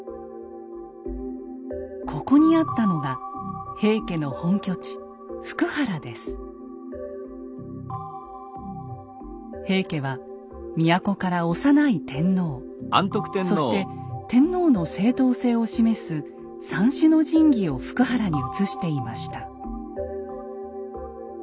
ここにあったのが平家は都から幼い天皇そして天皇の正統性を示す三種の神器を福原に移していました。